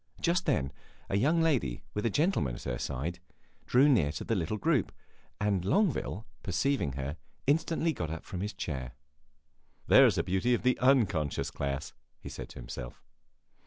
Just then a young lady, with a gentleman at her side, drew near to the little group, and Longueville, perceiving her, instantly got up from his chair. "There 's a beauty of the unconscious class!" he said to himself.